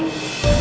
tunjukin sama andi